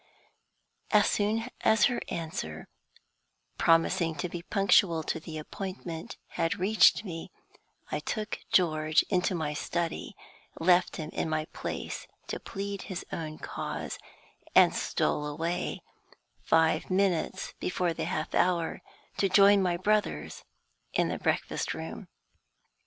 As soon as her answer, promising to be punctual to the appointment, had reached me, I took George into my study left him in my place to plead his own cause and stole away, five minutes before the half hour, to join my brothers in the breakfast room.